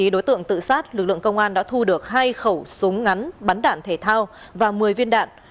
đối tượng tự sát lực lượng công an đã thu được hai khẩu súng ngắn bắn đạn thể thao và một mươi viên đạn